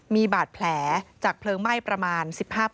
มีบาดแผลจากเพลิงไหม้ประมาณ๑๕